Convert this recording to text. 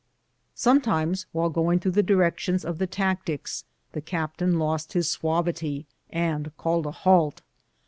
Sometimes while going through the directions of the tactics, the captain lost his suavity and called a halt.